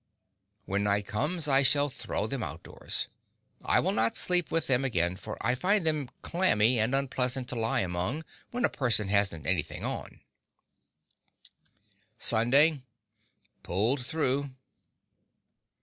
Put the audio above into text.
When night comes I shall throw them out doors. I will not sleep with them again, for I find them clammy and unpleasant to lie among when a person hasn't anything on. Sunday Pulled through.